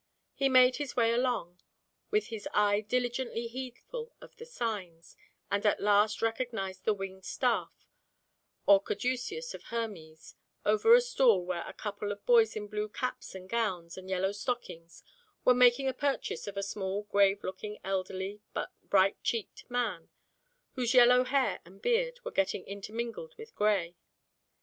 He made his way along, with his eye diligently heedful of the signs, and at last recognised the Winged Staff, or caduceus of Hermes, over a stall where a couple of boys in blue caps and gowns and yellow stockings were making a purchase of a small, grave looking, elderly but bright cheeked man, whose yellow hair and beard were getting intermingled with grey.